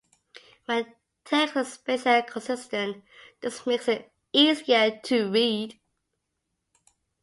When text and spacing are consistent, this makes it easier to read.